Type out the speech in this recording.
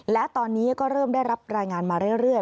และตอนนี้ก็เริ่มได้รับรายงานมาเรื่อย